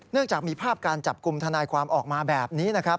จากมีภาพการจับกลุ่มทนายความออกมาแบบนี้นะครับ